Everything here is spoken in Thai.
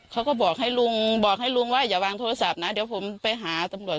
เขาก็บอกให้ลุงบอกให้ลุงว่าอย่าวางโทรศัพท์นะเดี๋ยวผมไปหาตำรวจ